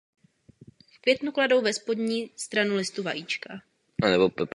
V květnu kladou na spodní stranu listů vajíčka.